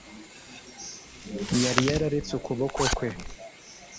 Yari yararetse ukuboko kwe